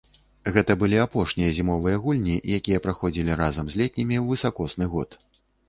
Гэта былі апошнія зімовыя гульні, якія праходзілі разам з летнімі ў высакосны год.